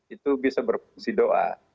itu bisa berfungsi doa